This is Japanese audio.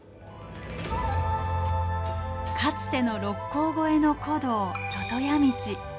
かつての六甲越えの古道魚屋道。